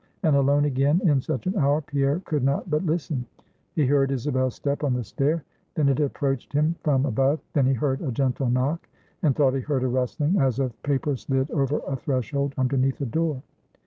And alone again in such an hour, Pierre could not but listen. He heard Isabel's step on the stair; then it approached him from above; then he heard a gentle knock, and thought he heard a rustling, as of paper slid over a threshold underneath a door.